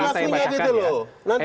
nanti mengatakan gitu loh